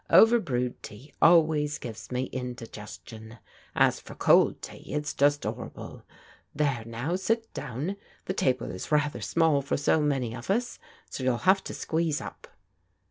Over brewed tea always gives me indigestion ; as for cold tea, it's just 'orrible. There, now 810 PBODIGAL DAUOHTEBS sit down. The table is rather small for so many of os, so you'll have to squeeze up."